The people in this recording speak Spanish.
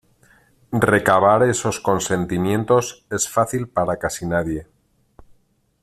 recabar esos consentimientos es fácil para casi nadie